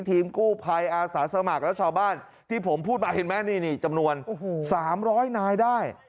ทีมกู้ภัยอาสาสมัครและชาวบ้านที่ผมพูดมาเห็นไหมนี่จำนวน๓๐๐นายได้